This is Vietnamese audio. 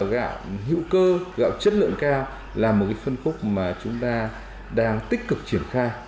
gạo hữu cơ gạo chất lượng cao là một cái phân khúc mà chúng ta đang tích cực triển khai